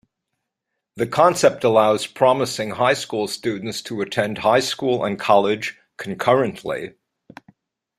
The concept allows promising high school students to attend high school and college concurrently.